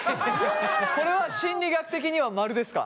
これは心理学的には「〇」ですか？